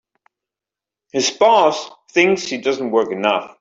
His boss thinks he doesn't work enough.